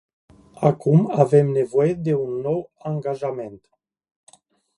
Acum avem nevoie de un nou angajament.